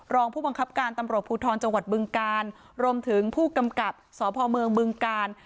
รองผู้บังคับการตำรวจภูทรจังหวัดบึงกาลรวมถึงผู้กำกับสพเมืองบึงกาล